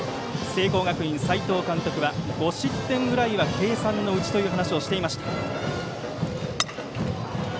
聖光学院、斎藤監督は５失点ぐらいは計算のうちという話をしていました。